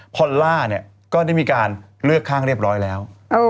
พอลล่าเนี่ยก็ได้มีการเลือกข้างเรียบร้อยแล้ว